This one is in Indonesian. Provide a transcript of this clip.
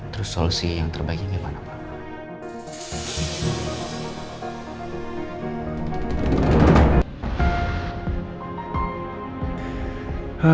terus solusi yang terbaiknya gimana pak